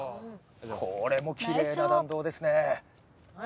これもきれいな弾道ですね。